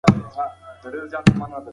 که د ډلو تعامل ونه څېړې، ستونزې نه حل کېږي.